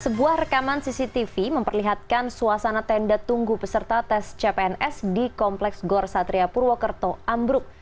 sebuah rekaman cctv memperlihatkan suasana tenda tunggu peserta tes cpns di kompleks gor satria purwokerto ambruk